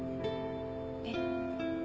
えっ？